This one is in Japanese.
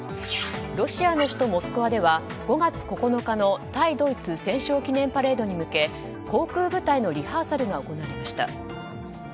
ロシアの首都モスクワでは５月９日の対ドイツ戦勝記念パレードに向け航空部隊のリハーサルが行われました。